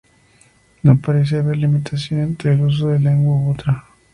No parece haber limitación entre el uso de una lengua u otra.